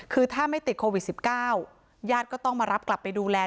คือถ้าไม่ติดโควิด๑๙ญาติก็ต้องมารับกลับไปดูแล